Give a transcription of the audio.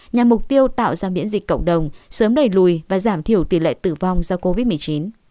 nhằm mục tiêu tạo ra miễn dịch cộng đồng sớm đẩy lùi và giảm thiểu tỷ lệ tử vong do covid một mươi chín